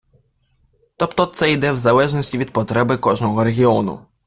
Тобто це йде в залежності від потреби кожного регіону.